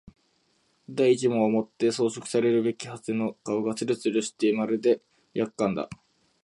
第一毛をもって装飾されるべきはずの顔がつるつるしてまるで薬缶だ